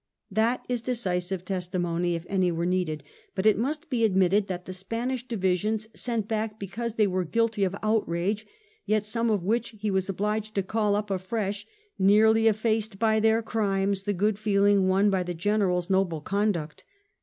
That is decisive testimony, if any were needed ; but it must be admitted that the Spanish divisions, sent back because they were guilty of outrage, yet some of which he was obliged to call up afresh, nearly effaced by their crimes the good feeling won by the General's noble conduct.